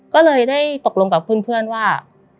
ก็เลยได้ตกลงกับเพื่อนว่า